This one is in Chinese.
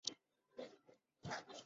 蒙古族。